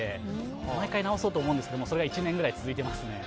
毎回、直そうとするんですがそれが１年くらい続いていますね。